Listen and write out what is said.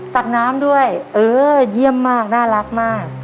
ตักน้ำด้วยเออเยี่ยมมากน่ารักมาก